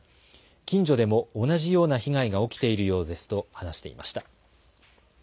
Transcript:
近所でも同じような被害が起きているようですと話していました。